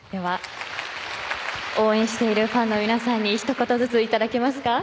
応援しているファンの皆さんにひと言ずついただけますか。